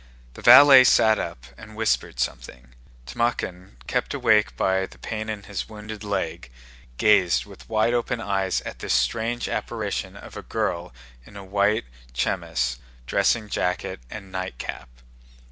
The valet sat up and whispered something. Timókhin, kept awake by the pain in his wounded leg, gazed with wide open eyes at this strange apparition of a girl in a white chemise, dressing jacket, and nightcap.